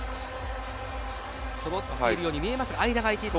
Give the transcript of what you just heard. そろっているように見えますが間が空いていると。